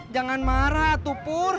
jangan marah atuh pur